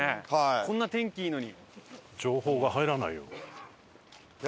こんな天気いいのに。